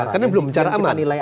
karena belum secara aman